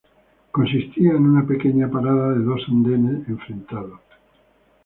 Consistía en una pequeña parada de dos andenes enfrentados.